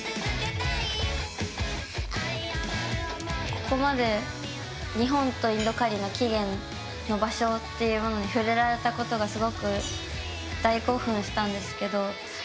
ここまで日本とインドカリーの起源の場所というのに触れられたことがすごく大興奮したんですけど。